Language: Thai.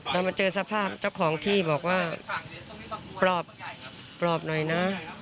เรามาเจอสภาพเจ้าของที่บอกว่าปลอบปลอบหน่อยนะ